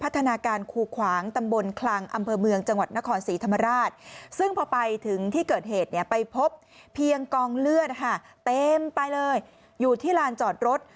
เต็มไปเลยอยู่ที่ลานจอดรถ